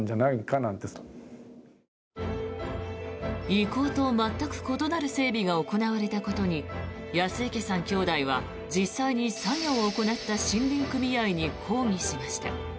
意向と全く異なる整備が行われたことに安池さん兄弟は実際に作業を行った森林組合に抗議しました。